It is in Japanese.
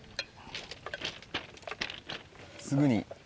すぐに。